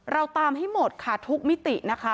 เราตามให้หมดค่ะทุกมิตินะคะ